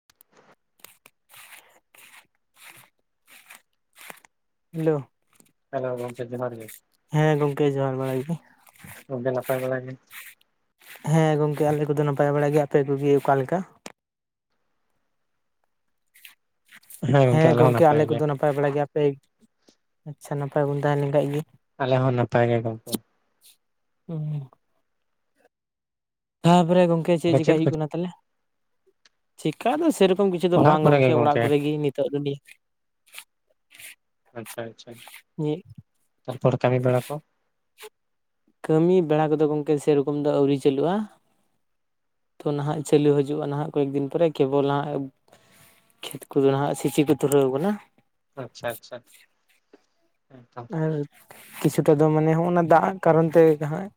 ᱻ hello hello ᱜᱚᱢᱠᱮ ᱡᱚᱦᱟᱨ ᱜᱮ ᱦᱮᱸ ᱜᱚᱝᱠᱮ ᱡᱚᱦᱟᱨ ᱵᱟᱲᱟᱭ ᱜᱮ ᱜᱚᱢᱠᱮ ᱱᱟᱯᱟᱭ ᱵᱟᱲᱟ ᱜᱮ ᱦᱮᱸ ᱜᱚᱝᱠᱮ ᱟᱞᱮ ᱠᱚᱫᱚ ᱱᱟᱯᱟᱭ ᱵᱟᱲᱟᱭ ᱜᱮᱭᱟ ᱟᱯᱮ ᱠᱚᱜᱮ ᱚᱠᱟᱞᱮᱠᱟ ᱾ ᱦᱮᱸ ᱜᱚᱢᱠᱮ ᱟᱞᱮ ᱠᱚᱫᱚ ᱱᱟᱯᱟᱭ ᱵᱟᱲᱟ ᱜᱮᱭᱟᱯᱮ ᱟᱪᱪᱷᱟ ᱱᱟᱯᱟᱭ ᱵᱚᱱ ᱛᱟᱦᱮᱸ ᱞᱮᱱᱠᱷᱟᱡ ᱜᱮ ᱟᱞᱮ ᱦᱚᱸ ᱱᱟᱯᱟᱭ ᱜᱮ ᱜᱚᱢᱠᱮ᱾ [unintelligible] ᱛᱟᱯᱚᱨᱮ ᱜᱚᱝᱠᱮ ᱪᱮᱫ ᱟᱫᱚ ᱪᱤᱠᱟᱭ ᱠᱚ ᱦᱩᱭᱩᱜ ᱠᱟᱱᱟ ᱛᱟᱦᱞᱮ? ᱪᱤᱠᱟ ᱫᱚ ᱥᱮᱨᱚᱠᱚᱢ ᱠᱤᱪᱷᱩ ᱫᱚ ᱚᱲᱟᱜ ᱵᱟᱝ ᱠᱚᱨᱮ ᱜᱮ ᱜᱚᱝᱠᱮ ᱚᱲᱟᱜ ᱠᱚᱨᱮ ᱜᱮ ᱱᱤᱛᱚᱜ ᱫᱚᱞᱤᱧ ᱟᱪᱪᱷᱟ ᱟᱪᱪᱷᱟ, ᱛᱟᱨᱯᱚᱨ ᱠᱟᱹᱢᱤ ᱵᱟᱲᱟ ᱠᱚ ᱠᱟᱹᱢᱤ ᱵᱟᱲᱟ ᱠᱚᱫᱚ ᱜᱚᱝᱠᱮ ᱥᱮᱨᱚᱠᱚᱢ ᱫᱚ ᱟᱹᱣᱨᱤ ᱪᱟᱹᱞᱩᱜᱼᱟ᱾ ᱛᱚ ᱱᱟᱦᱟᱜ ᱪᱟᱹᱞᱩ ᱦᱤᱡᱩᱜᱼᱟ ᱱᱟᱦᱟᱜ ᱠᱚᱭᱮᱠ ᱫᱤᱱ ᱯᱚᱨᱮ ᱠᱮᱵᱚᱞ ᱦᱟᱸᱜ ᱠᱷᱮᱛ ᱠᱚᱫᱚ ᱦᱟᱸᱜ ᱥᱤ ᱥᱤ ᱠᱚ ᱫᱷᱩᱨᱟᱹᱣ ᱠᱟᱱᱟ᱾ ᱟᱪᱪᱷᱟ ᱟᱪᱪᱷᱟ ᱦᱮᱸᱛᱚ᱾ ᱟᱨ ᱠᱤᱪᱷᱩᱴᱟ ᱫᱚ ᱢᱟᱱᱮ ᱦᱚᱸᱜᱼ ᱱᱟ ᱫᱟᱜ ᱠᱟᱨᱚᱱ ᱛᱮ ᱦᱟᱸᱜ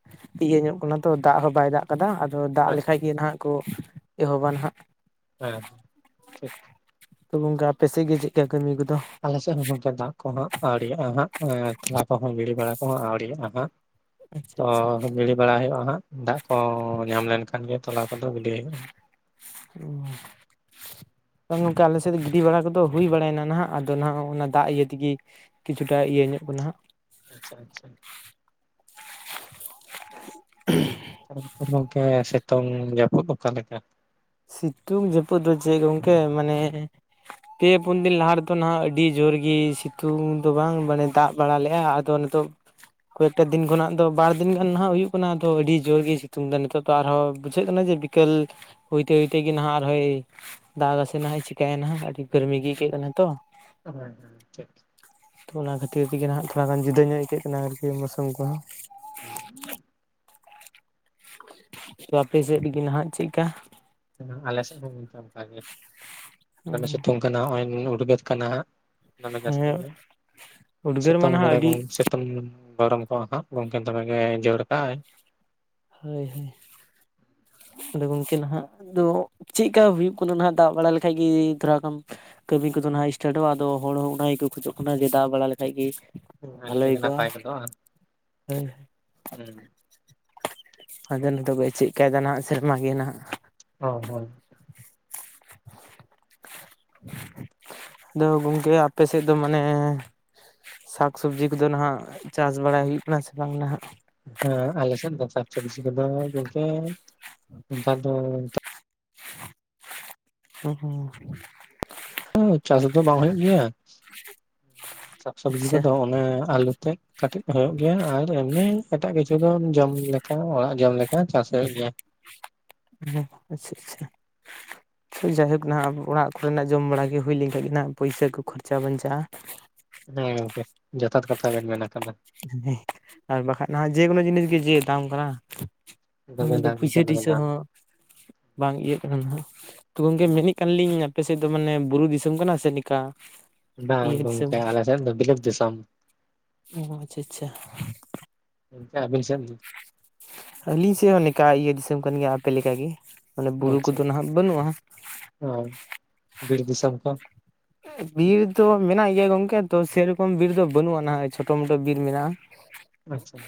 ᱤᱭᱟᱹ ᱧᱚᱜ ᱠᱟᱱᱟ ᱛᱚ ᱫᱟᱜ ᱦᱚᱸ ᱵᱟᱭ ᱫᱟᱜ ᱠᱟᱫᱟ ᱟᱫᱚ ᱫᱟᱜ ᱞᱮᱠᱷᱟᱡ ᱜᱮ ᱱᱟᱦᱟᱜ ᱠᱚ ᱮᱦᱚᱵᱟ ᱱᱟᱦᱟᱜ ᱦᱮᱸ ᱴᱷᱤᱠ ᱴᱷᱤᱠ᱾ ᱛᱚ ᱜᱚᱝᱠᱮ ᱟᱯᱮ ᱥᱮᱪ ᱜᱮ ᱪᱮᱫᱠᱟ ᱠᱟᱹᱢᱤ ᱠᱚᱫᱚ? ᱟᱞᱮ ᱥᱮᱫ ᱦᱩᱸ ᱦᱩᱸ ᱚᱱᱛᱮ ᱫᱟᱜ ᱠᱚᱦᱟᱸᱜ ᱟᱹᱣᱲᱤᱭᱟᱜᱼᱟ ᱦᱟᱸᱜ ᱛᱚᱞᱟ ᱠᱚᱦᱚᱸ ᱜᱤᱲᱤ ᱵᱟᱲᱟ ᱠᱚᱦᱚᱸ ᱟᱹᱣᱲᱤᱭᱟᱜᱼᱟ ᱦᱟᱸᱜ᱾ ᱟᱪᱪᱷᱟ ᱛᱚ ᱟᱪᱪᱷᱟ ᱜᱤᱲᱤ ᱵᱟᱲᱟ ᱦᱩᱭᱩᱜᱼᱟ ᱦᱟᱸᱜ ᱫᱟᱜ ᱠᱚ ᱧᱟᱢ ᱞᱮᱱᱠᱷᱟᱱ ᱜᱮ ᱛᱚᱞᱟ ᱠᱚᱫᱚ ᱜᱤᱰᱤ ᱦᱩᱭᱩᱜᱼᱟ᱾ [inaudible] [unintelligible] ᱟᱞᱮ ᱥᱮᱫ ᱫᱚ ᱜᱤᱰᱤ ᱵᱟᱲᱟ ᱠᱚᱫᱚ ᱦᱩᱭ ᱵᱟᱲᱟᱭᱱᱟ ᱱᱟᱦᱜ ᱟᱫᱚ ᱱᱟᱜ ᱚᱱᱟ ᱫᱟᱜ ᱤᱭᱟᱹ ᱛᱮᱜᱮ ᱠᱤᱪᱷᱩᱴᱟ ᱤᱭᱟᱹ ᱧᱚᱜ ᱠᱟᱱᱟ ᱦᱟᱸᱜ ᱟᱪᱪᱷᱟ ᱟᱪᱪᱷᱟ᱾ [inaudible] [unintelligible] ᱜᱚᱝᱠᱮ ᱥᱤᱛᱩᱝ ᱡᱟᱹᱯᱩᱫ ᱚᱠᱟ ᱞᱮᱠᱟ? ᱥᱤᱛᱩᱝ ᱡᱟᱹᱯᱩᱫ ᱫᱚ ᱪᱮᱫ ᱜᱚᱝᱠᱮ ᱢᱟᱱᱮ ᱯᱮ ᱯᱩᱱ ᱫᱤᱱ ᱞᱟᱦᱟ ᱨᱮᱫᱚ ᱱᱟᱦᱟᱜ ᱟᱹᱰᱤ ᱡᱳᱨ ᱜᱮ ᱥᱤᱛᱩᱝ ᱫᱚ ᱵᱟᱝ ᱢᱟᱱᱮ ᱫᱟᱜ ᱵᱟᱲᱟ ᱞᱮᱜᱼᱟ ᱟᱫᱚ [unintelligible] ᱠᱚᱭᱮᱠᱴᱟ ᱫᱤᱱ ᱠᱷᱚᱱᱟᱜ ᱫᱚ ᱵᱟᱨ ᱫᱤᱱ ᱜᱟᱱ ᱱᱟᱦᱟᱜ ᱦᱩᱭᱩᱜ ᱠᱟᱱᱟ ᱟᱫᱚ ᱟᱹᱰᱤ ᱡᱳᱨᱜᱮᱭ ᱥᱤᱛᱩᱝᱫᱟ ᱱᱤᱛᱚᱜ ᱛᱚ ᱟᱨᱦᱚᱸ ᱵᱩᱡᱷᱟᱹᱜ ᱠᱟᱱᱟ ᱡᱮ ᱵᱤ ᱠᱮᱞ ᱦᱩᱭᱛᱮ ᱦᱩᱭᱛᱮᱜᱮ ᱱᱟᱦᱟᱸᱜ ᱟᱨᱦᱚᱸᱭ ᱫᱟᱜ ᱟᱥᱮ ᱱᱟᱦᱟᱸᱜ ᱮ ᱪᱤᱠᱟᱭᱟ ᱱᱟᱦᱟᱸᱜ [unintelligible] ᱛᱚ ᱚᱱᱟ ᱠᱷᱟᱹᱛᱤᱨ ᱛᱮᱜᱮ ᱱᱷᱟᱜ ᱛᱷᱚᱲᱟ ᱜᱟᱱ ᱡᱩᱫᱟᱹ ᱧᱚᱜ ᱟᱹᱭᱠᱟᱹᱜ ᱠᱟᱱᱟ ᱟᱨᱠᱤ ᱢᱳᱥᱩᱢ ᱠᱚᱦᱚᱸ, [inaudible] [unintelligible] ᱛᱚ ᱟᱯᱮ ᱥᱮᱫ ᱜᱮ-ᱱᱷᱟᱜ ᱪᱮᱫ ᱠᱟ? ᱟᱞᱮ ᱥᱮᱫ ᱦᱚᱸ ᱚᱱᱠᱟ ᱫᱷᱟᱨᱟ ᱜᱮ, ᱫᱚᱢᱮ ᱥᱤᱛᱩᱝᱼᱼ ᱠᱟᱱᱟ ᱱᱚᱜ-ᱚᱭ ᱱᱩᱱᱟᱹᱜ ᱩᱫᱜᱟᱹᱨ ᱠᱟᱱᱟ ᱦᱟᱸᱜ, ᱫᱚᱢᱮ ᱡᱟᱹᱥᱛᱤ ᱦᱮᱸ ᱜᱮ, ᱧᱚᱜ ᱩᱫᱽᱜᱟᱹᱨ ᱢᱟ ᱥᱤᱛᱩᱝ ᱱᱟᱦᱟᱜ ᱵᱮᱲᱟ ᱟᱹᱰᱤ ᱵᱚᱱ ᱥᱤ [unintelligible] ᱜᱚᱢᱠᱮ ᱫᱚᱢᱮ ᱜᱮ ᱡᱟᱹᱲ ᱠᱟᱜᱟᱭ᱾ ᱦᱳᱭ-ᱦᱳᱭ, ᱟᱫᱚ ᱜᱚᱝᱠᱮ ᱱᱷᱟᱜ ᱫᱚ ᱪᱤᱫ ᱠᱟ ᱦᱩᱭᱩᱜ ᱠᱟᱱᱟ ᱱᱷᱟᱜ ᱫᱟᱜ ᱵᱟᱲᱟ ᱞᱮᱠᱟ ᱜᱤ ᱛᱷᱚᱲᱟ ᱜᱟᱱᱼᱼ ᱠᱟᱹᱢᱤ ᱠᱚᱫᱚ ᱱᱷᱟᱜ ᱥᱴᱟᱴᱚᱜ-ᱟ, ᱟᱫᱚ ᱦᱚᱲ ᱦᱚᱸ ᱚᱱᱟ ᱜᱮᱠᱚ ᱠᱷᱚᱡᱚᱜ ᱠᱟᱱᱟ ᱡᱮ ᱫᱟᱜ ᱵᱟᱲᱟ ᱞᱮᱠᱷᱟᱡ ᱜᱮᱼᱼ ᱟᱹᱰᱤ ᱛᱮᱜᱮ ᱱᱟᱯᱟᱭ ᱠᱚᱫᱚ ᱵᱟ, ᱦᱳᱭ ᱦᱩᱸ ᱟᱫᱚ ᱱᱤᱛᱚᱜ ᱫᱚ ᱪᱮᱫ ᱠᱟᱭᱫᱟ ᱱᱟᱜ ᱥᱮᱨᱢᱟ ᱜᱮ ᱱᱟᱜ, ᱚ-ᱦᱚᱭ ᱟᱫᱚ ᱜᱚᱝᱠᱮ ᱟᱯᱮ ᱥᱮᱫ ᱫᱚ ᱢᱟᱱᱮ ᱥᱟᱠᱥᱚᱵᱡᱤ ᱠᱚᱫᱚ ᱱᱷᱟᱜ ᱪᱟᱥ ᱵᱟᱲᱟᱭ ᱦᱩᱭᱩᱜ ᱠᱟᱱᱟ ᱥᱮ ᱵᱟᱝ ᱱᱷᱟᱜ? ᱦᱮᱸ ᱟᱞᱮᱥᱮᱫ ᱫᱚ ᱥᱟᱠᱷ-ᱥᱚᱵᱡᱤ ᱠᱚᱫᱚ ᱜᱚᱞᱛᱮ ᱱᱮᱛᱟᱨ ᱫᱚᱼᱼ ᱦᱩ ᱦᱩᱸ, ᱪᱟᱥ ᱫᱚ ᱵᱟᱝ ᱦᱩᱭᱩᱜ ᱜᱮᱭᱟ, ᱥᱟᱠᱥ-ᱥᱚᱵᱡᱤ ᱠᱚᱫᱚ ᱟᱪᱪᱷᱟ ᱚᱱᱮ ᱟᱞᱩ ᱛᱮᱫ᱾ ᱠᱟᱹᱴᱤᱡ ᱦᱳᱭᱩᱜ ᱜᱮᱭᱟ ᱟᱨ ᱮᱢᱱᱤ ᱮᱴᱟᱜ ᱠᱤᱪᱷᱩ ᱫᱚ ᱡᱚᱢ ᱞᱮᱠᱟ ᱚᱲᱟᱜ ᱡᱚᱢ ᱞᱮᱠᱟ ᱪᱟᱥ ᱦᱩᱭᱩᱜ ᱜᱮᱭᱟ᱾ ᱚᱸ ᱟᱪᱪᱷᱟ-ᱟᱪᱪᱷᱟ ᱡᱟᱭᱦᱳᱠ ᱱᱷᱟᱜ ᱚᱲᱟᱜ ᱠᱚᱨᱮᱱᱟᱜ ᱡᱚᱢ ᱵᱟᱲᱟ ᱜᱮ ᱦᱩᱭ ᱞᱮᱱᱼᱼ ᱟᱞᱤᱱᱟᱜ ᱯᱩᱭᱥᱟᱹ ᱠᱚ ᱠᱷᱚᱨᱪᱟ ᱵᱟᱧᱪᱟᱜ-ᱟ᱾ ᱦᱮᱸ ᱜᱚᱝᱠᱮ ᱡᱚᱛᱷᱟᱛ ᱠᱟᱛᱷᱟ ᱵᱮᱱ ᱢᱮᱱ ᱟᱠᱟᱫᱟ᱾ ᱦᱮ ᱟᱨ ᱵᱟᱠᱟᱱᱡ ᱱᱟᱜ ᱡᱮᱠᱳᱱᱳ ᱡᱤᱱᱤᱥ ᱜᱮ ᱡᱮ ᱫᱟᱢ ᱠᱟᱱᱟ ᱾ ᱫᱚᱢᱮ ᱩᱱᱟᱹᱜ ᱫᱚ ᱫᱟᱢ ᱯᱩᱭᱥᱟᱹ ᱜᱚᱢᱠᱮ ᱫᱚᱢᱮ ᱴᱩᱭᱥᱟᱹ ᱫᱟᱢ ᱦᱚᱸ ᱵᱟᱝ ᱤᱭᱟᱹᱜ ᱠᱟᱱᱟ ᱦᱟᱸᱜ ᱛᱚ ᱜᱚᱝᱠᱮ ᱢᱮᱱᱮᱜ ᱞᱤᱧ ᱟᱯᱮ ᱥᱮᱫ ᱫᱚ ᱢᱟᱱᱮ ᱵᱩᱨᱩ ᱫᱤᱥᱚᱢ ᱠᱟᱱᱟ ᱥᱮ ᱱᱤᱝᱠᱟ ᱵᱟᱝ ᱤᱭᱟᱹ ᱫᱤᱥᱚᱢ ᱜᱚᱝᱠᱮ ᱟᱞᱮ ᱥᱮᱫ ᱫᱚ ᱵᱤᱞᱟᱹᱛ ᱫᱤᱥᱚᱢ ᱟᱪᱷᱟ ᱜᱚᱢᱠᱮ ᱟᱞᱤᱧ ᱥᱮᱱ ᱟᱹᱞᱤᱧ ᱥᱮᱫ ᱦᱚᱸ ᱱᱤᱝᱠᱟ ᱤᱭᱟᱹ ᱫᱤᱥᱚᱢ ᱠᱟᱱ ᱜᱮᱭᱟ ᱟᱯᱮ ᱞᱮᱠᱟᱜᱮ ᱢᱟᱱᱮ ᱵᱩᱨᱩ ᱠᱚᱫᱚ ᱱᱟᱦᱟᱜ ᱵᱟᱹᱱᱩᱜᱼᱟ ᱚ ᱵᱤᱨ ᱫᱤᱥᱚᱢ ᱠᱚ ᱵᱤᱨ ᱫᱚ ᱢᱮᱱᱟᱜ ᱜᱮᱭᱟ ᱜᱚᱝᱠᱮ ᱛᱚ ᱥᱮᱨᱚᱠᱚᱢ ᱵᱤᱨ ᱫᱚ ᱵᱟᱹᱱᱩᱜᱼᱟ ᱱᱟᱦᱟᱜ ᱪᱷᱳᱴᱳ ᱢᱚᱴᱳ ᱵᱤᱨ ᱢᱮᱱᱟᱜᱼᱟ ᱾ ᱟᱪᱷᱟ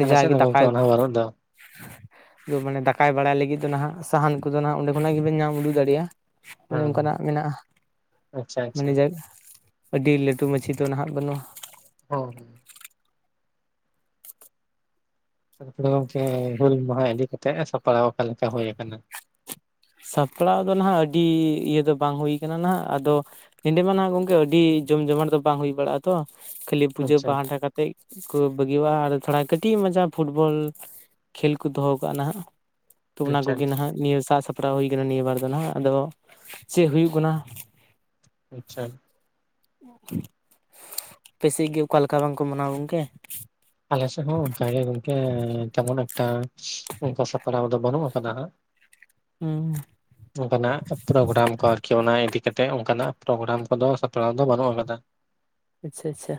ᱟᱞᱮ ᱥᱮᱫ ᱦᱚᱸ ᱜᱚᱢᱠᱮ ᱫᱟᱠᱟᱭ ᱚᱱᱟ ᱫᱚ ᱵᱟᱱᱩᱜ ᱫᱚ ᱢᱟᱱᱮ ᱫᱟᱠᱟᱭ ᱵᱟᱲᱟᱭ ᱞᱟᱹᱜᱤᱫ ᱫᱚ ᱦᱟᱜ ᱥᱟᱦᱟᱱ ᱠᱚᱫᱚ ᱱᱟᱜ ᱚᱸᱰᱮ ᱠᱷᱚᱱᱟᱜ ᱜᱮᱵᱮᱱ ᱧᱟᱢ ᱩᱰᱩ ᱫᱟᱲᱮᱭᱟᱜᱼᱟ ᱾ ᱚᱱᱮ ᱦᱮᱸ ᱚᱱᱠᱟᱱᱟᱜ ᱢᱮᱱᱟᱜᱼᱟ ᱾ ᱟᱪᱪᱷᱟ ᱟᱪᱪᱷᱟ ᱢᱟᱱᱮ ᱡᱟ ᱟᱹᱰᱤ ᱞᱟᱹᱴᱩ ᱢᱟᱺᱡᱷᱤ ᱫᱚ ᱱᱟᱦᱟᱜ ᱵᱟᱹᱱᱩᱜᱼᱟ ᱦᱚᱸ, ᱦᱩᱸ ᱛᱟᱨᱯᱚᱨᱮ ᱜᱚᱝᱠᱮ ᱦᱩᱞ ᱢᱟᱦᱟ ᱤᱫᱤ ᱠᱟᱛᱮᱜ ᱥᱟᱯᱲᱟᱣ ᱚᱠᱟᱞᱮᱠᱟ ᱦᱩᱭ ᱟᱠᱟᱱᱟ ᱥᱟᱯᱲᱟᱣ ᱫᱚ ᱱᱟᱦᱟᱜ ᱟᱹᱰᱤ ᱤᱭᱟᱹ ᱫᱚ ᱵᱟᱝ ᱦᱩᱭ ᱠᱟᱱᱟ ᱱᱟᱜ ᱟᱫᱚ ᱾ ᱱᱚᱸᱰᱮ ᱢᱟ ᱦᱟᱜ ᱜᱚᱢᱠᱮ ᱟᱹᱰᱤ ᱡᱚᱢ ᱡᱚᱢᱟ ᱫᱚ ᱵᱟᱝ ᱦᱩᱭ ᱵᱟᱲᱟᱜᱼᱟ ᱛᱚ ᱠᱷᱟᱹᱞᱤ ᱯᱩᱡᱟᱹ ᱟᱪᱪᱷᱟ ᱯᱟᱦᱴᱟ ᱠᱟᱛᱮ ᱛᱮᱫ ᱠᱚ ᱵᱟᱹᱜᱤᱼᱟ ᱟᱨ ᱛᱷᱚᱲᱟ ᱠᱟᱹᱴᱤᱡ ᱢᱚᱡᱟ ᱯᱷᱩᱴᱵᱚᱞ ᱠᱷᱮᱞ ᱠᱚ ᱫᱚᱦᱚ ᱠᱟᱜᱼᱟ ᱱᱟᱦᱟᱜ ᱛᱚ ᱚᱱᱟ ᱟᱪᱪᱷᱟ ᱠᱚᱜᱮ ᱟᱪᱪᱷᱟ ᱱᱟᱦᱟᱜ ᱱᱤᱭᱟᱹ ᱥᱟᱡᱽ ᱥᱟᱯᱲᱟᱣ ᱦᱩᱭ ᱠᱟᱱᱟ ᱱᱤᱭᱟᱹ ᱵᱟᱨ ᱫᱚ ᱦᱟᱜ ᱟᱫᱚ ᱪᱮᱫ ᱦᱩᱭᱩᱜ ᱠᱟᱱᱟ ᱾ ᱟᱪᱷᱟ ᱟᱯᱮ ᱥᱮᱫ ᱜᱮ ᱚᱠᱟᱞᱮᱠᱟ ᱵᱟᱝᱠᱚ ᱢᱟᱱᱟᱣ ᱜᱚᱝᱠᱮ ᱾ ᱟᱞᱮ ᱥᱮᱫ ᱦᱚᱸ ᱚᱱᱠᱟᱜ ᱜᱮ ᱜᱚᱝᱠᱮ ᱛᱮᱢᱚᱱ ᱮᱠᱴᱟ ᱚᱱᱠᱟ ᱥᱟᱯᱲᱟᱣ ᱫᱚ ᱵᱟᱹᱱᱩᱜ ᱟᱠᱟᱫᱟ ᱦᱟᱸᱜ ᱦᱩᱸ ᱚᱱᱠᱟᱱᱟᱜ ᱯᱨᱳᱜᱨᱟᱢ ᱠᱚ ᱟᱨᱠᱤ ᱚᱱᱟ ᱤᱫᱤᱠᱟ ᱠᱟᱛᱮᱜ ᱚᱱᱠᱟᱱᱟᱜ ᱯᱨᱳᱜᱨᱟᱢ ᱠᱚᱫᱚ ᱥᱟᱯᱲᱟᱣ ᱫᱚ ᱵᱟᱹᱱᱩᱜ ᱟᱠᱟᱫᱟ ᱾ ᱟᱪᱪᱷᱟ ᱟᱪᱪᱷᱟ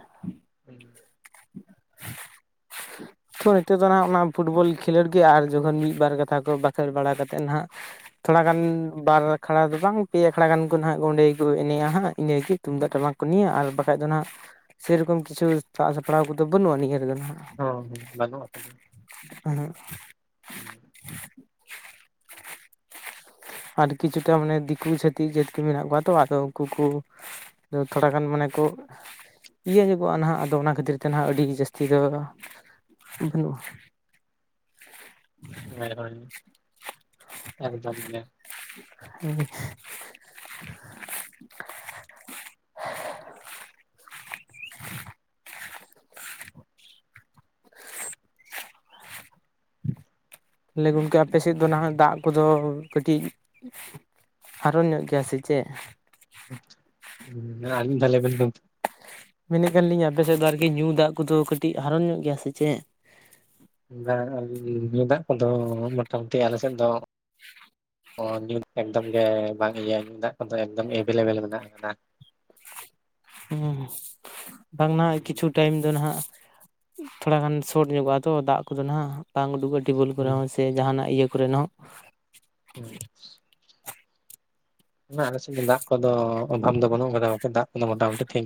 ᱦᱚᱸ ᱻ [inaudible] ᱛᱚ ᱱᱤᱛᱚᱜ ᱫᱚ ᱦᱟᱸᱜ ᱚᱱᱟ ᱯᱷᱩᱴᱵᱚᱞ ᱠᱷᱮᱞᱳᱰ ᱜᱮ ᱟᱨ ᱡᱚᱠᱷᱚᱱ ᱢᱤᱫᱵᱟᱨ ᱠᱟᱛᱷᱟ ᱠᱚ ᱵᱟᱠᱷᱮᱲ ᱵᱟᱲᱟ ᱠᱟᱛᱮᱫ ᱦᱟᱸᱜ ᱛᱷᱚᱲᱟ ᱜᱟᱱ ᱵᱟᱨ ᱟᱠᱷᱲᱟ ᱫᱚ ᱵᱟᱝ ᱯᱮ ᱟᱠᱷᱲᱟ ᱜᱟᱱ ᱠᱚ ᱱᱟᱦᱟᱜ ᱚᱸᱰᱮ ᱜᱮᱠᱚ ᱮᱱᱮᱡᱼᱟ ᱦᱟᱸᱜ ᱤᱱᱟᱹᱜᱮ ᱛᱩᱢᱫᱟᱜ ᱴᱟᱢᱟᱠ ᱠᱚ ᱱᱤᱭᱟ ᱟᱨ ᱵᱟᱠᱷᱟᱡ ᱫᱚ ᱱᱟᱦᱟᱜ ᱥᱮᱨᱚᱠᱚᱢ ᱠᱤᱪᱷᱩ ᱥᱟᱜ ᱥᱟᱯᱲᱟᱣ ᱠᱚᱫᱚ ᱵᱟᱹᱱᱩᱜᱼᱟ ᱱᱤᱭᱟᱹ ᱨᱮᱜᱮᱦᱟᱜ ᱾ ᱚᱻ ᱵᱟᱱᱩᱜ ᱟᱠᱟᱫᱟ, ᱩᱸᱦᱩᱜ ᱦᱩᱸ ᱻ ᱟᱨ ᱠᱤᱪᱷᱩᱴᱟ ᱢᱟᱱᱮ ᱫᱤᱠᱩ ᱪᱷᱟᱹᱛᱤᱠ ᱡᱟᱹᱛ ᱢᱮᱱᱟᱜ ᱠᱚᱣᱟ ᱛᱚ ᱟᱫᱚ ᱩᱱᱠᱩ ᱠᱚ ᱛᱷᱚᱲᱟ ᱜᱟᱱ ᱢᱟᱱᱮ ᱠᱚ ᱤᱭᱟᱹ ᱧᱚᱜᱚᱜᱼᱟ ᱱᱟᱦᱟᱜ ᱟᱫᱚ ᱚᱱᱟ ᱠᱷᱟᱹᱛᱤᱨ ᱛᱮ ᱱᱟᱦᱟᱜ ᱟᱹᱰᱤ ᱡᱟᱹᱥᱛᱤ ᱫᱚ ᱾ ᱵᱟᱹᱱᱩᱜᱼᱟ ᱦᱳᱭ ᱦᱳᱭ ᱮᱠᱫᱚᱢ ᱜᱮ ᱦᱮᱸ [inaudible] [inaudible] ᱛᱟᱦᱚᱞᱮ ᱜᱚᱢᱠᱮ ᱟᱯᱮ ᱥᱮᱫ ᱫᱚ ᱱᱟᱦᱟᱸᱜ ᱫᱟᱜ ᱠᱚᱫᱚ ᱠᱟᱹᱴᱤᱡᱼᱼ ᱦᱟᱨᱚᱱ ᱧᱚᱜ ᱜᱮᱭᱟ ᱥᱮ ᱪᱮᱜ? ᱚᱸᱦ, ᱩᱸ ᱟᱨ ‌ᱢᱤᱫ‌ ᱫᱷᱟᱣ ᱞᱟᱹᱭ ᱵᱮᱱ ᱜᱚᱝᱼᱼ [unintelligible] ᱢᱮᱱᱮᱫ ᱠᱟᱱ ᱞᱤᱧ ᱟᱯᱮ ᱥᱮᱫ ᱫᱚ ᱟᱨᱠᱤ ᱧᱩ ᱫᱟᱜ ᱠᱚᱫᱚ ᱠᱟᱹᱴᱤᱡ ᱦᱟᱨᱚᱱ ᱧᱚᱜ ᱜᱮᱭᱟ ᱥᱮ ᱪᱮᱫ ᱮᱫᱟᱜ ᱠᱚᱫᱚ ᱢᱚᱴᱟᱢᱩᱴᱤ ᱟᱞᱮ ᱥᱮᱫ ᱫᱚ ᱚ ᱧᱩ ᱮᱠᱫᱚᱢ ᱜᱮ ᱵᱟᱝ ᱤᱭᱟᱹ ᱧᱩ ᱫᱟᱜ ᱠᱚᱫᱚ ᱮᱵᱮᱞᱮᱵᱮᱞ ᱢᱮᱱᱟᱜ ᱟᱠᱟᱫᱟ ᱦᱮᱸ ᱵᱟᱝ ᱱᱟ ᱠᱤᱪᱷᱩ ᱴᱟᱭᱤᱢ ᱫᱚ ᱱᱟᱦᱟᱸᱜ ᱛᱷᱚᱲᱟ ᱜᱟᱱ ᱥᱚᱴ ᱧᱚᱜᱚᱜᱼᱟ ᱛᱚ ᱫᱟᱜ ᱠᱚᱫᱚ ᱦᱟᱜ ᱵᱟᱝ ᱩᱰᱩᱠᱚᱜᱼᱟ ᱴᱮᱵᱮᱞ ᱦᱩᱸ ᱠᱚᱨᱮ ᱦᱚᱸ ᱥᱮ ᱡᱟᱦᱟᱱᱟᱜ ᱤᱭᱟᱹ ᱠᱚᱨᱮᱱᱟᱜ ᱦᱚᱸ ᱦᱮᱸ ᱟᱞᱮᱥᱮᱫ ᱫᱚ ᱫᱟᱜ ᱠᱚᱫᱚ ᱚᱵᱷᱟᱵ ᱫᱚ ᱵᱟᱹᱱᱩᱜ ᱟᱠᱟᱫᱟᱠᱮ ᱫᱟᱜ ᱠᱚᱫᱚ ᱢᱚᱴᱟᱢᱩᱴᱤ ᱴᱷᱤᱠ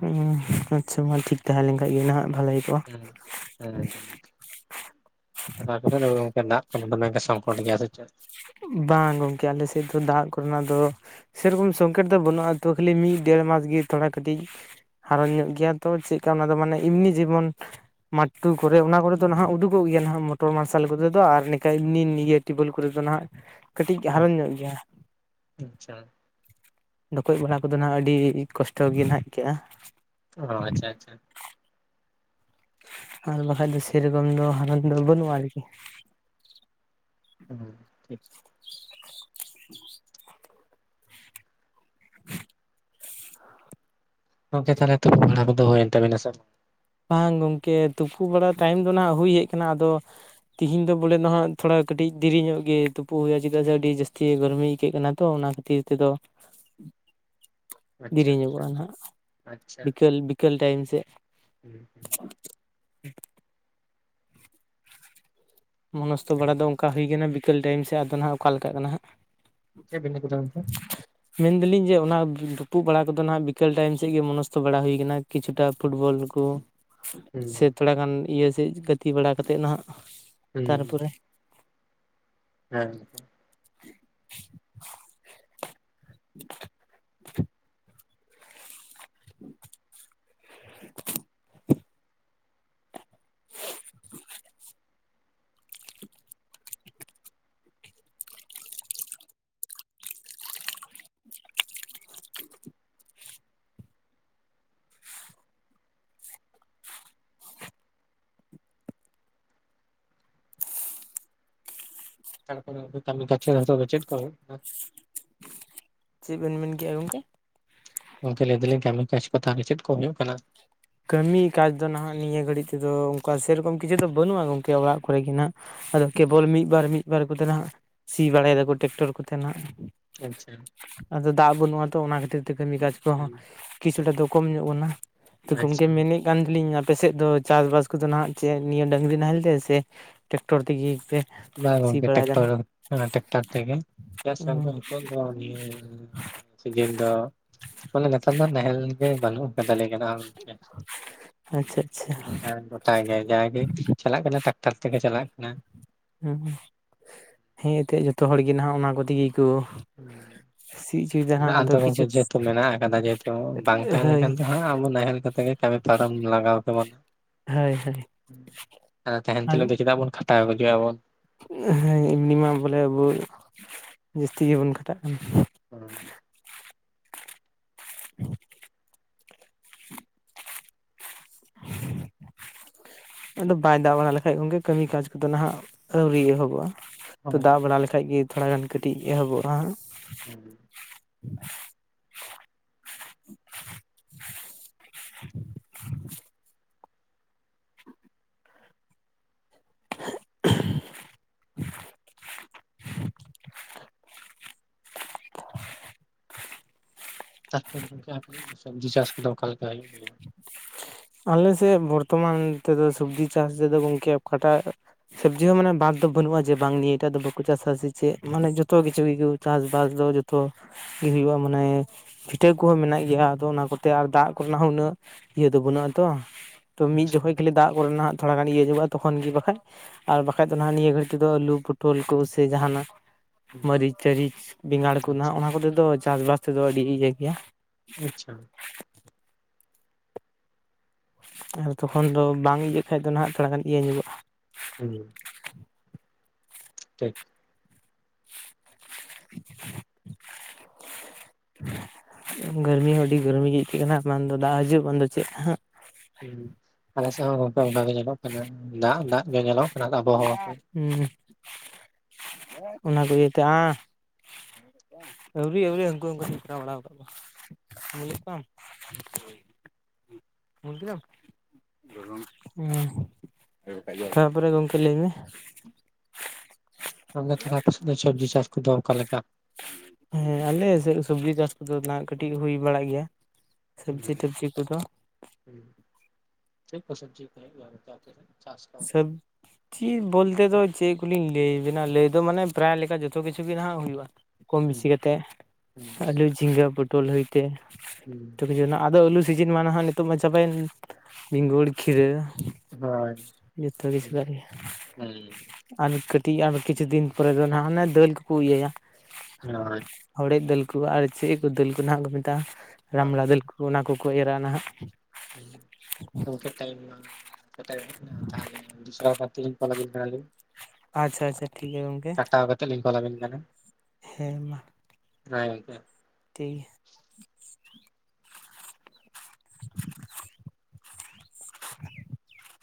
ᱦᱩᱸ ᱟᱪᱷᱟ ᱢᱟ ᱴᱷᱤᱠ ᱛᱟᱦᱮᱸ ᱞᱮᱱ ᱠᱷᱟᱱ ᱜᱮ ᱱᱟᱦᱟᱜ ᱵᱷᱟᱞᱮ ᱦᱩᱭ ᱠᱚᱜᱼᱟ ᱾ ᱦᱩᱸ ᱦᱮᱸ ᱦᱩᱸ ᱫᱟᱜ ᱠᱚᱫᱚ ᱫᱚᱢᱮ ᱜᱮ ᱥᱚᱝᱠᱚᱴ ᱜᱮᱭᱟ ᱥᱮ ᱪᱮᱫ ᱵᱟᱝ ᱜᱚᱝᱠᱮ ᱟᱞᱮ ᱥᱮᱫ ᱫᱚ ᱫᱟᱜ ᱠᱚᱨᱮ ᱱᱟᱜ ᱫᱚᱼᱼ ᱥᱮ ᱨᱚᱠᱚᱢ ᱥᱚᱝᱠᱮᱴ ᱫᱚ ᱵᱟᱹᱱᱩᱜ-ᱟ ᱛᱚ ᱠᱷᱟᱹᱞᱤ ᱢᱤᱜ ᱰᱮᱲ ᱢᱟᱥ ᱜᱤ‌ ᱛᱷᱚᱲᱟ ᱠᱟᱹᱴᱤᱡᱼᱼ ᱦᱟᱨᱚᱱ ᱧᱚᱜ ᱜᱮᱭᱟ ᱛᱚ ᱪᱮᱜ ᱠᱟ ᱚᱱᱟ ᱫᱚ ᱢᱟᱱᱮ ᱤᱢᱱᱤ ᱡᱮᱢᱚᱱᱼᱼ ᱢᱟᱴᱴᱩ ᱠᱚᱨᱮ ᱚᱱᱟ ᱠᱚᱨᱮ ᱫᱚ ᱱᱟᱦᱟᱸᱜ ᱩᱰᱩᱜᱠᱚᱜ ᱜᱮᱭᱟ ᱱᱟᱦᱟᱸᱜ ᱢᱚᱴᱚᱨ ᱢᱟᱨᱥᱟᱞ ᱠᱚᱛᱮ ᱫᱚ ᱟᱨ ᱱᱮᱠᱟ ᱱᱤ ᱱᱤᱭᱟᱹ ᱴᱤᱵᱩᱞ ᱠᱚᱨᱮ ᱫᱚ ᱱᱟᱦᱟᱸᱜᱼᱼ ᱠᱟᱹᱴᱤᱡ ᱦᱩᱸ ᱦᱟᱨᱚᱱ ᱧᱚᱜ ᱜᱮᱭᱟ᱾ [unintelligible] ᱟᱪᱪᱷᱟ ᱰᱷᱚᱠᱚᱡ ᱵᱟᱲᱟ ᱠᱚᱫᱚ ᱱᱟᱦᱟᱸᱜ ᱟᱹᱰᱤ ᱠᱚᱥᱴᱚ ᱜᱤ ᱱᱟᱦᱟᱸᱜ ᱜᱮᱭᱟ᱾ ᱚ ᱟᱪᱷᱟ ᱟᱪᱷᱟ᱾ ᱟᱨ ᱵᱟᱠᱷᱟᱡ ᱫᱚ ᱥᱮ ᱨᱚᱠᱚᱢ ᱫᱚ ᱦᱟᱨᱚᱱ ᱫᱚ ᱵᱟᱹᱱᱩᱜ-ᱟ ᱟᱨ ᱠᱤ᱾ ᱦᱩᱸ ᱴᱷᱮᱠ᱾ [unintelligible] [inaudible] ᱜᱚᱝᱠᱮ ᱛᱟᱦᱚᱞᱮ ᱛᱩᱯᱩ ᱵᱟᱲᱟ ᱠᱚ ᱫᱚ ᱦᱚᱭᱮᱱ ᱛᱟᱵᱮᱱᱟ ᱥᱮᱼᱼ ᱵᱟᱝ ᱜᱚᱝᱠᱮ ᱛᱩᱯᱩ ᱵᱟᱲᱟ ᱴᱟᱭᱤᱢ ᱫᱚ ᱱᱟᱦᱟᱸᱜ ᱦᱩᱭ ᱦᱮᱡ ᱠᱟᱱᱟ ᱟᱫᱚᱼᱼ ᱛᱤᱦᱤᱧ ᱫᱚ ᱵᱚᱞᱮ ᱫᱚ ᱱᱟᱦᱟᱸᱜ ᱛᱷᱚᱲᱟ ᱠᱟᱹᱴᱤᱡ ᱫᱤᱨᱤ ᱧᱚᱜ ᱜᱮ ᱛᱩᱯᱩ ᱦᱩᱭᱩᱜ-ᱟ ᱪᱮᱫᱟᱜ ᱥᱮ ᱟᱹᱰᱤ ᱡᱟᱹᱥᱛᱤ ᱜᱚᱨᱢᱤ ᱤᱭᱠᱟᱹᱜ ᱠᱟᱱᱟ ᱛᱚ ᱚᱱᱟ ᱠᱷᱟᱼᱼ ᱛᱤᱨ ᱛᱮᱫᱚᱼᱼ [inaudible] ᱟᱪᱪᱷᱟ ᱫᱤᱨᱤ ᱟᱪᱪᱷᱟ ᱧᱚᱜᱚᱜ-ᱟ ᱱᱟᱦᱟᱸᱜ ᱵᱤᱠᱟᱹᱞ ᱵᱤᱠᱟᱹᱞ ᱴᱟᱭᱤᱢ ᱥᱮᱜ᱾ ᱦᱮᱸ ᱦᱩᱸ᱾ [inaudible] ᱢᱚ ᱱᱚᱥᱛᱚ ᱵᱟᱲᱟ ᱫᱚ ᱮᱠᱫᱚᱢ ᱚᱱᱠᱟ ᱦᱩᱭ ᱠᱟᱱᱟ ᱵᱤᱠᱟᱹᱞ ᱴᱟᱭᱤᱢ ᱥᱮᱜ ᱟᱫᱚ ᱱᱟᱦᱟᱸᱜ ᱚᱠᱟ ᱞᱮᱠᱟᱜ ᱠᱟᱱᱟ ᱦᱟᱸᱜ? ᱪᱮᱜ ᱵᱤᱱᱰᱟᱹ ᱠᱚ ᱫᱚᱱ ᱛᱮ? ᱢᱮᱱ ᱫᱟᱞᱤᱧ ᱡᱮ ᱚᱱᱟ ᱫᱩᱯᱩᱜ ᱵᱟᱲᱟ ᱠᱚᱫᱚ ᱱᱟᱦᱟᱸᱜ ᱵᱤᱠᱟᱹᱞ ᱴᱟᱭᱤᱢ ᱥᱮᱜ ᱜᱤ ᱢᱚᱱᱚᱥᱛᱚ ᱵᱟᱲᱟ ᱦᱩᱭ ᱠᱟᱱᱟ᱾ ᱠᱤᱪᱷᱩ ᱴᱟᱜ ᱯᱷᱩᱴᱵᱚᱞ ᱠᱚ ᱦᱩᱸ ᱥᱮ ᱛᱷᱚᱲᱟ ᱜᱟᱱ ᱤᱭᱟᱹ ᱥᱮᱡ ᱜᱟᱹᱛᱤ ᱵᱟᱲᱟ ᱠᱟᱛᱮᱜ ᱱᱟᱦᱟᱸᱜ᱾ ᱦᱩᱸ ᱛᱟᱨᱯᱚᱨᱮ᱾ ᱦᱮᱸ᱾ [inaudible] ᱛᱟᱨᱯᱚᱨᱮ ᱚᱱᱛᱮ ᱠᱟᱢᱤ ‌ᱠᱟᱪᱷᱮ ᱱᱤᱛᱚᱜ ᱫᱚ ᱪᱮᱫ ᱠᱚ ᱦᱩᱭᱩᱜ ᱠᱟᱱᱟ? ᱪᱤᱜ ᱵᱮᱱ ᱢᱮᱱ ᱠᱮᱜ-ᱟ ᱜᱚᱝᱠᱮ? ᱜᱚᱝᱠᱮ ᱞᱟᱹᱭ ᱫᱟᱹᱞᱤᱧ ᱠᱟᱢᱤ ᱠᱟᱪᱷ ᱠᱚ ᱛᱟᱦᱚᱞᱮ ᱨ ᱪᱮᱫ ᱠᱚ ᱦᱳᱭᱳᱜ ᱠᱟᱱᱟ? ᱠᱟᱹᱢᱤ ᱠᱟᱡᱽ ᱫᱚ ᱱᱟᱦᱸᱟᱜ ᱱᱤᱭᱟᱹ ᱜᱷᱟᱹᱲᱤᱡ ᱛᱮᱫᱚ ᱚᱱᱠᱟ ᱥᱮ ᱨᱚᱠᱚᱢ ᱠᱤᱪᱷᱩ ᱫᱚ ᱵᱟᱹᱱᱩᱜ-ᱟ ᱜᱚᱝᱠᱮ ᱚᱲᱟᱜ ᱠᱚᱨᱮ ᱜᱮ ᱱᱟᱦᱟᱸᱜ ᱟᱫᱚ ᱠᱮᱵᱚᱞ ᱢᱤᱫ ᱵᱟᱨ ᱢᱤᱫ ᱵᱟᱨ ᱠᱚ ᱫᱚ ᱱᱟᱦᱟᱸᱜ ᱥᱤ ᱵᱟᱲᱟᱭ ᱫᱟᱠᱚ ᱴᱮᱠᱴᱚᱨ ᱠᱚᱛᱮ ᱱᱟᱦᱟᱸᱜ᱾ ᱟᱪᱷᱟ᱾ ᱟᱫᱚ ᱫᱟᱜ ᱵᱟᱹᱱᱩᱜ-ᱟ ᱛᱚ ᱚᱱᱟ ᱠᱷᱟᱹᱛᱤᱨ ᱛᱮ ᱠᱟᱹᱢᱤ ᱠᱟᱡᱽ ᱠᱚᱦᱚᱸ ᱦᱩᱸ, ᱠᱤᱪᱷᱩ ᱴᱟᱜ ᱫᱚ ᱠᱚᱢ ᱧᱚᱜ ᱠᱚᱱᱟ᱾ ᱛᱚ ᱜᱚᱢᱠᱮ ᱟᱪᱪᱷᱟ ᱢᱮᱱᱮᱜ ᱠᱟᱱ ᱛᱮᱦᱮᱱ ᱞᱤᱧ ᱟᱯᱮ ᱥᱮᱜ ᱫᱚ ᱪᱟᱥᱼᱵᱟᱥ ᱠᱚᱫᱚ ᱱᱟᱦᱟᱸᱜ ᱪᱮᱫ ᱱᱤᱭᱟᱹ ᱰᱟᱹᱝᱨᱤ ᱱᱟᱦᱮᱞ ᱛᱮ ᱥᱮᱼᱼ ᱴᱮᱠᱴᱚᱨ ᱛᱤᱜᱤ ᱯᱮᱼᱼ ᱵᱟᱝ ᱜᱚᱝᱠᱮ ᱴᱮᱠᱴᱚᱨ ᱚᱱᱟ ᱴᱮᱠᱴᱟᱨ ᱛᱮᱜᱮ ᱪᱮᱫᱟᱜ ᱥᱮ ᱟᱞᱮ ᱫᱚ ᱱᱤᱛᱚᱜ ᱫᱚ ᱤᱭᱟᱹᱼᱼ ᱦᱩᱸ ᱥᱤᱡᱤᱱ ᱫᱚ ᱵᱚᱞᱮ ᱱᱮᱛᱟᱨ ᱫᱚ ᱱᱟᱦᱮᱞ ᱜᱮ ᱵᱟᱱᱩᱜᱼᱼ ᱟᱫᱚ ᱞᱟᱹᱭ ‌ᱜᱟᱱᱚᱜ-ᱟ ᱜᱚᱝᱠᱮ ᱟᱪᱪᱷᱟ ᱟᱪᱪᱷᱟ ᱱᱮᱛᱟᱨ ᱫᱚ᱾ [unintelligible] [unintelligible] ᱪᱟᱞᱟᱜ ᱠᱟᱱᱟ ᱴᱟᱠᱴᱟᱨ ᱛᱮᱜᱮ ᱪᱟᱞᱟᱜ ᱠᱟᱱᱟ ᱦᱮᱸ ᱮᱱᱛᱮᱫ ᱡᱚᱛᱚ ᱦᱚᱲ ᱜᱮᱱᱟᱦᱟᱜ ᱚᱱᱟ ᱜᱚᱫᱤ ᱜᱮ ᱠᱚ ᱦᱩᱸ᱾ ᱥᱤ ᱦᱚᱪᱚᱭᱮᱫᱟ ᱦᱟᱸᱜ ᱢᱮᱱᱟᱜ ᱟᱫᱚ ᱜᱚᱝᱠᱮ ᱠᱤᱪᱷᱩ ᱡᱮ ᱦᱮᱛᱩ ᱢᱮᱱᱟᱜ ᱟᱠᱟᱫᱟ ᱡᱮ ᱦᱮᱛᱩ ᱵᱟᱝ ᱛᱟᱦᱮᱸ ᱦᱳᱭ ᱞᱮᱠᱷᱟᱱ ᱫᱚ ᱦᱟᱸᱜ ᱟᱵᱚ ᱱᱟᱦᱮᱞ ᱠᱚᱛᱮ ᱜᱮ ᱠᱟᱢᱤᱼᱼ ᱟᱨ ᱟᱢ ᱞᱟᱜᱟᱣᱟ ᱥᱮᱵᱟ ᱦᱳᱭ ᱦᱳᱭ ᱟᱨ ᱛᱮᱦᱮᱱ ᱛᱩᱞᱩᱡ ᱫᱚ ᱪᱤᱫᱟᱜ ᱵᱩᱱᱼᱼ [unintelligible] ᱟ ᱵᱩᱡᱩᱜ-ᱟᱵᱚᱱ᱾ ᱚ ᱦᱮᱸ ᱮᱢᱱᱤ ᱢᱟ ᱵᱚᱞᱮ ᱟᱸᱵᱩ ᱡᱟᱹᱥᱛᱤ ᱜᱤᱵᱚᱱ ᱠᱷᱟᱴᱟᱜ ᱠᱟᱱᱟ᱾ ᱦᱚᱸ᱾ [inaudible] [inaudible] ᱟᱫᱚ ᱵᱟᱭ ᱫᱟᱜ ᱵᱟᱲᱟ ᱞᱮᱠᱷᱟᱡ ᱜᱚᱝᱠᱮ ᱠᱟᱹᱢᱤ ᱠᱟᱡᱽ ᱠᱚᱫᱚ ᱱᱟᱦᱟᱸᱜ ᱟᱹᱣᱨᱤ ᱮᱦᱚᱵᱚᱜ-ᱟ᱾ ᱛᱚ ᱦᱳᱭ ᱫᱟᱜ ᱵᱟᱲᱟ ᱜᱚᱝᱠᱮ ᱞᱮᱠᱷᱟᱡ ᱜᱮ ᱛᱷᱚᱲᱟ ᱜᱟᱱ ᱠᱟᱹᱴᱤᱡ ᱮᱦᱚᱵᱚᱜᱼᱟ ᱦᱟᱸᱜ [unintelligible] [unintelligible] [inaudible] [unintelligible] [unintelligible] ᱥᱚᱵᱡᱤ ᱪᱟᱥ ᱠᱚᱫᱚ ᱚᱠᱟᱞᱮᱠᱟ [unintelligible] ᱟᱞᱮᱥᱮᱫ ᱵᱚᱨᱛᱚᱢᱟᱱ ᱛᱮᱫᱚ ᱥᱚᱵᱡᱤ ᱪᱟᱥ ᱨᱮᱫᱚ ᱜᱚᱢᱠᱮ ᱚᱠᱟᱴᱟᱜ ᱥᱚᱵᱽᱡᱤ ᱦᱚᱸ ᱢᱟᱱᱮ ᱵᱟᱫ ᱫᱚ ᱵᱟᱹᱱᱩᱜᱼᱟ ᱡᱮ ᱵᱟᱝ ᱱᱤᱭᱟᱹ ᱴᱟᱜ ᱫᱚ ᱵᱟᱠᱚ ᱪᱟᱥᱟ ᱥᱮ ᱪᱮ ᱢᱟᱱᱮ ᱡᱚᱛᱚ ᱠᱤᱪᱷᱩ [unintelligible] ᱪᱟᱥ ᱵᱟᱥ ᱫᱚ ᱡᱚᱛᱚ [unintelligible] ᱢᱟᱱᱮ ᱯᱤᱴᱷᱟᱹ ᱠᱚᱦᱚᱸ ᱢᱮᱱᱟᱜ ᱜᱮᱭᱟ ᱟᱫᱚ ᱚᱱᱟ ᱠᱚᱛᱮ ᱟᱨ ᱫᱟᱜ ᱠᱚᱨᱮᱱᱟᱜ ᱦᱚᱸ ᱩᱱᱟᱹᱜ ᱤᱭᱟᱹ ᱫᱚ ᱵᱟᱹᱱᱩᱜᱼᱟ ᱛᱚ ᱛᱚ ᱢᱤᱫ ᱟᱪᱪᱷᱟ ᱡᱚᱠᱷᱚᱱ ᱠᱷᱟᱹᱞᱤ ᱫᱟᱜ ᱠᱚᱨᱮᱱᱟᱜᱜ ᱛᱷᱚᱲᱟ ᱜᱟᱱ ᱤᱭᱟᱹ ᱦᱩᱜᱚᱜᱼᱟ ᱛᱚᱠᱷᱚᱱ ᱜᱮ ᱵᱟᱠᱷᱟᱱ ᱟᱨ ᱵᱟᱠᱷᱟᱡ ᱫᱚ ᱱᱟᱜ ᱱᱤᱭᱟᱹ ᱜᱷᱟᱹᱲᱤᱡ ᱛᱮᱫᱚ ᱟᱹᱞᱩ ᱯᱚᱴᱚᱞ ᱠᱚ ᱥᱮ ᱡᱟᱦᱟᱱᱟᱜ ᱦᱩᱸ ᱢᱟᱹᱨᱤᱪᱼᱴᱟᱹᱨᱤᱪ ᱵᱮᱸᱜᱟᱲ ᱠᱚ ᱱᱟᱜ ᱟᱪᱪᱷᱟ ᱚᱱᱟ ᱠᱚᱛᱮ ᱫᱚ ᱪᱟᱥᱵᱟᱥ ᱛᱮᱫᱚ ᱟᱹᱰᱤ ᱤᱭᱟᱹ ᱜᱮᱭᱟ ᱟᱪᱪᱷᱟ ᱟᱨ ᱛᱚᱠᱷᱚᱱ ᱫᱚ ᱵᱟᱝ ᱤᱭᱟᱹᱜ ᱠᱷᱟᱡ ᱫᱚ ᱱᱟᱦᱟᱜ ᱛᱷᱚᱲᱟ ᱜᱟᱱ ᱤᱭᱟᱹ ᱧᱚᱜᱚᱜᱼᱟ [unintelligible] ᱴᱷᱤᱠ [unintelligible] ᱜᱚᱨᱢᱤ ᱦᱚᱸ ᱟᱹᱰᱤ ᱜᱚᱨᱢᱤ ᱜᱮ ᱟᱹᱭᱠᱟᱹᱜ ᱠᱟᱱᱟ ᱵᱟᱝ ᱫᱚ ᱫᱟᱜ ᱦᱟᱹᱡᱩᱜ ᱵᱟᱝ ᱫᱚ ᱪᱮᱫ ᱦᱟᱸᱜ ᱟᱞᱮ ᱥᱮᱫ ᱦᱚᱸ ᱜᱚᱝᱠᱮ ᱚᱱᱠᱟ ᱜᱮ ᱧᱮᱞᱚᱜ ᱠᱟᱱᱟ ᱫᱟᱜ ᱫᱟᱜ ᱜᱮ ᱧᱮᱞᱚᱜ ᱠᱟᱱᱟ ᱟᱵᱚᱦᱟᱣᱟ ᱠᱚ [unintelligible] ᱚᱱᱟ ᱫᱚ ᱤᱭᱟᱹᱛᱮ, ᱦᱟᱸ [unintelligible] [unintelligible] [unintelligible] ᱛᱟᱨᱯᱚᱨᱮ ᱜᱚᱢᱠᱮ ᱞᱟᱹᱭ ᱢᱮ [inaudible] [unintelligible] ᱠᱚᱫᱚ ᱚᱠᱟᱞᱮᱠᱟ ᱦᱮᱸ ᱟᱞᱮ ᱥᱮᱜ‌ ᱥᱚᱵᱽᱡᱤ ᱪᱟᱥ ᱠᱚᱫᱚ ᱱᱟᱜ ᱠᱟᱹᱴᱤᱡ ᱦᱩᱭ ᱵᱟᱲᱟᱜ ᱜᱮᱭᱟ ᱥᱚᱵᱽᱡᱤ ᱴᱚᱵᱽᱡᱤ ᱠᱚᱫᱚ [unintelligible] ᱦᱳᱭ ᱥᱟᱹᱵᱽ ᱪᱮᱫ ᱵᱚᱞᱛᱮ ᱫᱚ ᱪᱮᱫ ᱠᱚᱞᱤᱧ ᱞᱟᱹᱭᱟᱵᱤᱱᱟ ᱞᱟᱹᱭ ᱫᱚ ᱢᱟᱱᱮ ᱯᱨᱟᱭ ᱞᱮᱠᱟ ᱡᱚᱛᱚ ᱠᱤᱪᱷᱩ ᱜᱮ ᱱᱟᱦᱟᱜ ᱦᱩᱭᱩᱜᱼᱟ ᱠᱚᱢ ᱦᱩᱸ ᱵᱮᱥᱤ ᱠᱟᱛᱮᱫ ᱦᱳᱭ ᱟᱹᱞᱩ ᱡᱷᱤᱸᱜᱟᱹ ᱯᱚᱴᱚᱞ ᱦᱚᱭᱛᱮ ᱦᱩᱸ ᱟᱫᱚ ᱟᱹᱞᱩ ᱥᱤᱡᱤᱱ ᱢᱟ ᱱᱟᱦᱟᱜ ᱱᱤᱛᱚᱜ ᱢᱟ ᱪᱟᱵᱟᱭᱮᱱ ᱵᱤᱸᱜᱩᱲ ᱠᱷᱤᱨᱟᱹ ᱡᱚᱛᱚ ᱠᱤᱪᱷᱩ [unintelligible] ᱟᱨ ᱠᱟᱹᱴᱤᱡ ᱟᱨ ᱠᱤᱪᱷᱩ ᱫᱤᱱ ᱯᱚᱨᱮ ᱫᱚ ᱱᱟᱦᱟᱜ ᱦᱟᱱᱮ ᱫᱟᱹᱞ ᱠᱚᱠᱚ ᱤᱭᱟᱹᱭᱟ [unintelligible] ᱦᱚᱲᱮᱡ ᱫᱟᱹᱞ ᱠᱚ ᱟᱨ ᱪᱮᱫ ᱠᱚ ᱫᱟᱹᱞ ᱠᱚ ᱱᱟᱦᱟᱜ ᱠᱚ ᱢᱮᱛᱟᱜᱼᱟ ᱨᱟᱢᱵᱽᱲᱟ ᱫᱟᱹᱞ ᱠᱚ ᱚᱱᱟ ᱠᱚᱠᱚ ᱮᱨᱼᱟ ᱱᱟᱜ [unintelligible] ᱛᱟᱞᱟ ᱜᱩᱠᱷᱟᱭ ᱟᱞᱤᱧ ᱟᱪᱪᱷᱟ ᱟᱪᱪᱷᱟ ᱴᱷᱤᱠ ᱜᱮᱭᱟ ᱜᱚᱝᱠᱮ᱾ ᱠᱟᱛᱮᱫ ᱞᱤᱧ [inaudible] ᱠᱚᱞ ᱟᱵᱤᱱ ᱠᱟᱱᱟ ᱦᱮᱸ ᱢᱟ [unintelligible] ᱴᱷᱤᱦ ᱜᱮᱭᱟ [inaudible]